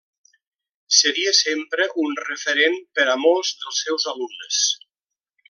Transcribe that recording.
Seria sempre un referent per a molts dels seus alumnes.